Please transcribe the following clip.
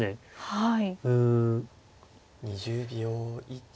はい。